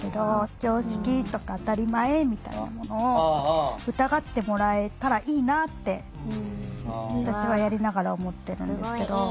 常識とか当たり前みたいなものを疑ってもらえたらいいなって私はやりながら思ってるんですけど。